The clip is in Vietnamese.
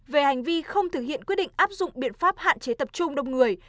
về hành vi không thực hiện quyết định áp dụng biện pháp hạn chế tập trung đông người